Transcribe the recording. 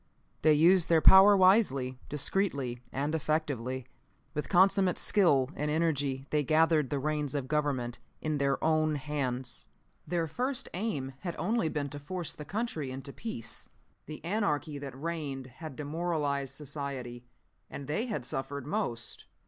They used their power wisely, discreetly, and effectively. With consummate skill and energy they gathered the reins of Government in their own hands. "Their first aim had been only to force the country into peace. The anarchy that reigned had demoralized society, and they had suffered most.